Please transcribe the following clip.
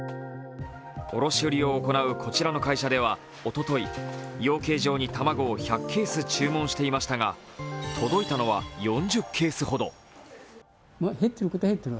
卸売りを行うこちらの会社ではおととい、養鶏場に卵を１００ケース注文していましたが届いたのは４０ケースほど。